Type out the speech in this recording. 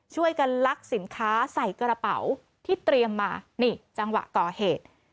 ช่วยกันลักสินค้าใส่กระเป๋าที่เตรียมมานี่จังหวะก่อเหตุ